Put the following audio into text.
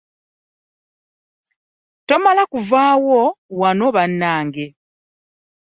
Tumale okvaawo wano bannange .